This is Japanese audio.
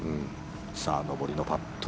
上りのパット